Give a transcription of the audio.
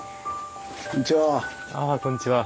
こんにちは。